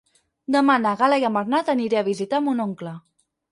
Demà na Gal·la i en Bernat aniré a visitar mon oncle.